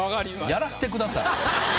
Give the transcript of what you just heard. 「やらせてください」？